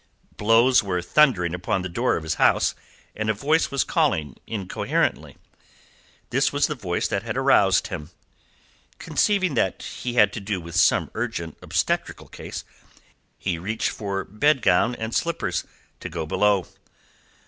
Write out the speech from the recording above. Blows were thundering upon the door of his house, and a voice was calling incoherently. This was the noise that had aroused him. Conceiving that he had to do with some urgent obstetrical case, he reached for bedgown and slippers, to go below.